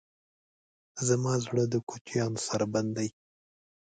زما زړه د کوچیانو سره بند دی.